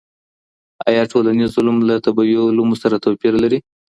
آیا ټولنیز علوم له طبیعي علومو سره توپیر لري؟